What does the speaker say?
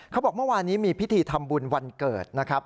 เมื่อวานนี้มีพิธีทำบุญวันเกิดนะครับ